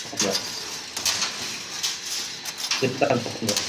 যেটি তারা গোপন রাখে।